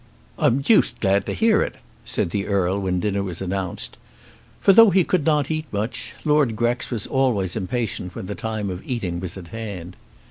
"I'm deuced glad to hear it," said the Earl when dinner was announced. For, though he could not eat much, Lord Grex was always impatient when the time of eating was at hand.